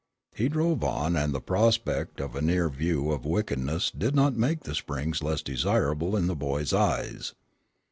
He drove on, and the prospect of a near view of wickedness did not make the Springs less desirable in the boy's eyes.